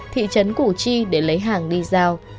thị trấn củ chi để lấy hàng đi giao